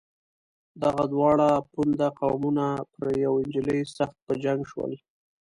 دغه دواړه پوونده قومونه پر یوې نجلۍ سخت په جنګ شول.